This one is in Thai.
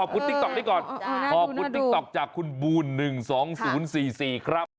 ติ๊กต๊อกนี้ก่อนขอบคุณติ๊กต๊อกจากคุณบูล๑๒๐๔๔ครับ